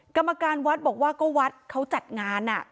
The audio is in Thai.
กรรมการวัดบอกว่าก็วัดเขาจัดงาน